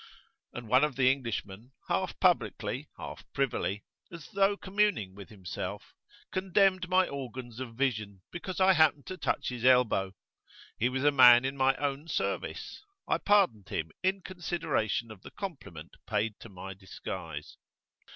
And one of the Englishmen, half publicly, half privily, as though communing with himself, condemned my organs of vision because I happened to touch his elbow. He was a man in my own service; I pardoned him in consideration of the compliment paid to my disguise.